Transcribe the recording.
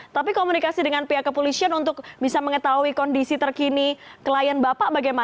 tapi komunikasi dengan pihak kepolisian untuk bisa mengetahui kondisi terkini klien bapak bagaimana